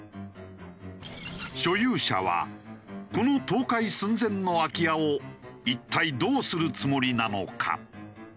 所有者はこの倒壊寸前の空き家を一体どうするつもりなのか？